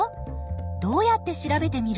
どうやって調べてみる？